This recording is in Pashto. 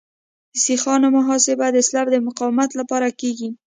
د سیخانو محاسبه د سلب د مقاومت لپاره کیږي